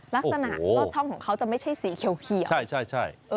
ลักษณะก็ช่องของเขาจะไม่ใช่สีเขียวใช่ใช่